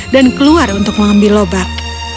dan keluar untuk mengambil lobak